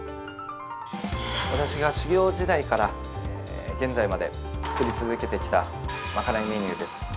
◆私が修業時代から現在まで作り続けてきたまかないメニューです。